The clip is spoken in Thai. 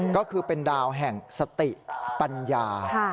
ก็คือเป็นดาวแห่งสติปัญญา